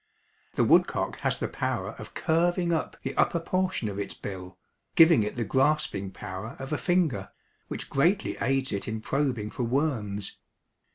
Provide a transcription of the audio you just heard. The woodcock has the power of curving up the upper portion of its bill, giving it the grasping power of a finger, which greatly aids it in probing for worms.